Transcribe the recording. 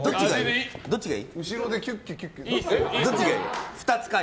どっちがいい？